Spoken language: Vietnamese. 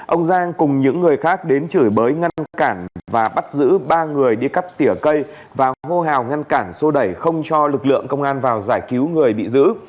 ông giang cùng những người khác đến chửi bới ngăn cản và bắt giữ ba người đi cắt tỉa cây và hô hào ngăn cản xô đẩy không cho lực lượng công an vào giải cứu người bị giữ